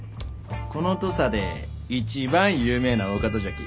この土佐で一番有名なお方じゃき。